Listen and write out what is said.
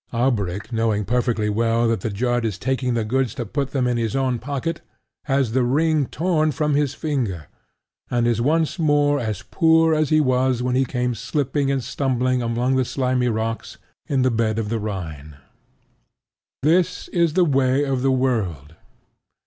Alberic knowing perfectly well that the judge is taking the goods to put them in his own pocket, has the ring torn from his finger, and is once more as poor as he was when he came slipping and stumbling among the slimy rocks in the bed of the Rhine. This is the way of the world.